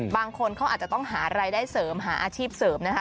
บางคนเขาอาจจะต้องหารายได้เสริมหาอาชีพเสริมนะคะ